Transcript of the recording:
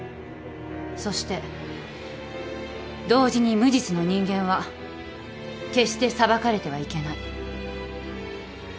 そして同時に無実の人間は決して裁かれてはいけない。